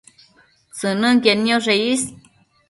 tsënënquied nioshe is